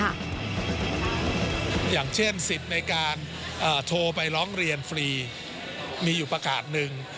อย่างเช่นสิทธิ์ในการโทรไปร้องเรียนฟรีมีอยู่ประกาศหนึ่ง